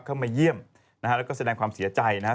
เข้ามาเยี่ยมนะฮะแล้วก็แสดงความเสียใจนะครับ